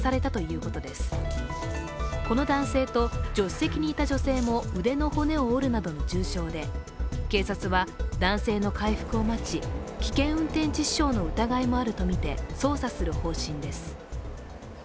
この男性と助手席にいた女性も腕の骨を折るなどの重傷で、警察は男性の回復を待ち、危険運転致死傷の疑いもあるとみて捜査する方針です。